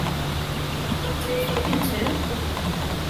What do you think, you two?